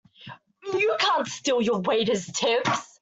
You can't steal your waiters' tips!